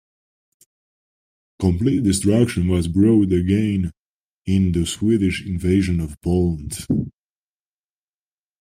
Complete destruction was brought again in the Swedish invasion of Poland.